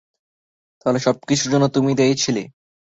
তাহল সবকিছুর জন্য তুমিই দায়ী ছিলে।